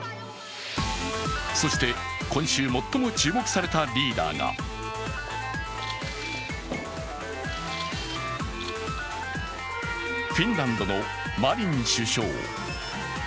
そして今週最も注目されたリーダーがフィンランドのマリン首相。